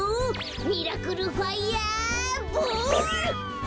ミラクルファイヤーボール！